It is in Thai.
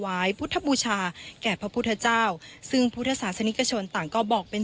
พุทธบูชาแก่พระพุทธเจ้าซึ่งพุทธศาสนิกชนต่างก็บอกเป็น